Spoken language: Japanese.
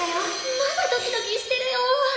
まだドキドキしてるよ！